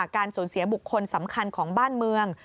การสูญเสียบุคคลสำคัญของบ้านเมือง